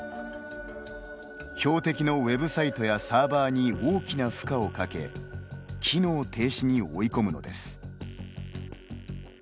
標的のウェブサイトやサーバーに大きな負荷をかけ機能停止に追い込むのです。